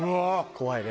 怖いね。